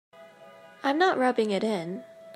I'm not rubbing it in.